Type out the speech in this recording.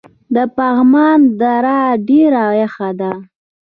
د پغمان دره ډیره یخه ده